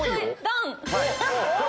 ドン！